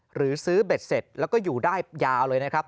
หรือซื้อเบ็ดเสร็จแล้วก็อยู่ได้ยาวเลยนะครับ